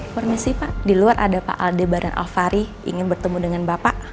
permisi pak diluar ada pak aldebaran alvari ingin bertemu dengan bapak